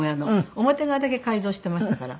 表側だけ改造してましたから。